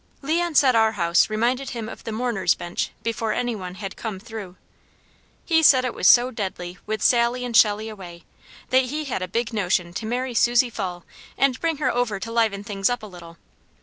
Leon said our house reminded him of the mourners' bench before any one had "come through." He said it was so deadly with Sally and Shelley away, that he had a big notion to marry Susie Fall and bring her over to liven things up a little.